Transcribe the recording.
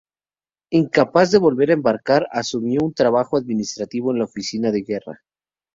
Incapaz de volver a embarcar, asumió un trabajo administrativo en la Oficina de Guerra.